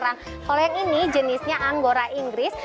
kalau yang ini jenisnya angora inggris